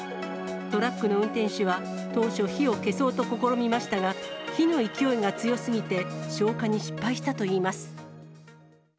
トラックの運転手は、当初、火を消そうと試みましたが、火の勢いが強すぎて、消火に失敗したといいます。